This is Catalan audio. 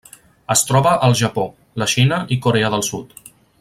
Es troba al Japó, la Xina i Corea del Sud.